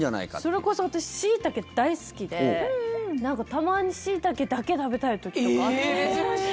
それこそ私シイタケ大好きでたまにシイタケだけ食べたい時とかあって。